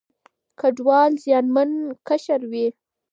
کډوال زیانمن قشر وي.